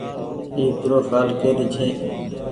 اي پروڦآئل ڪري ڇي۔